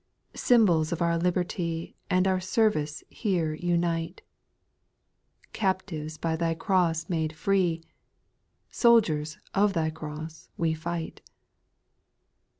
4w Symbols of our liberty And our service here unite. Captives by Thy cross made free, Soldiers of Thy cross we fight.